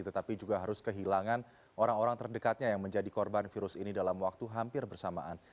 tetapi juga harus kehilangan orang orang terdekatnya yang menjadi korban virus ini dalam waktu hampir bersamaan